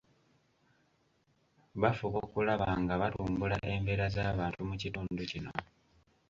Bafuba okulaba nga batumbula embeera z’abantu mu kitundu kino.